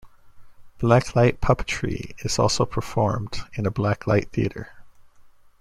Black light puppetry is also performed in a black light theater.